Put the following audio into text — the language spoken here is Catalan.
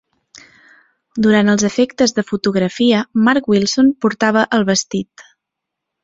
Durant els efectes de fotografia, Mark Wilson portava el vestit.